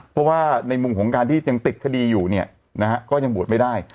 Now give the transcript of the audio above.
เพราะว่าในมุมของการที่ยังติดคดีอยู่เนี่ยนะฮะก็ยังบวชไม่ได้